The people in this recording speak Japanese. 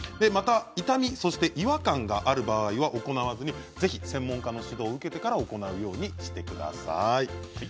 痛み、違和感がある場合は行わずにぜひ専門家の指導を受けてから行うようにしてください。